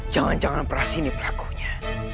jangan jangan peras ini pelakunya